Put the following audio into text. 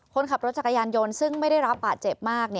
คนขับรถจักรยานยนต์ซึ่งไม่ได้รับบาดเจ็บมาก